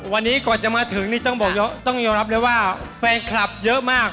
วันนี้ก่อนจะมาถึงนี่ต้องบอกต้องยอมรับเลยว่าแฟนคลับเยอะมาก